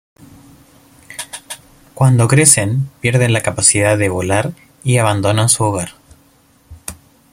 Cuando crecen pierden la capacidad de volar y abandonan su hogar.